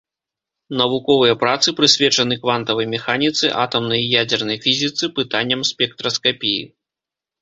Навуковыя працы прысвечаны квантавай механіцы, атамнай і ядзернай фізіцы, пытанням спектраскапіі.